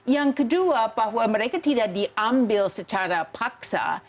yang kedua bahwa mereka tidak diambil secara paksa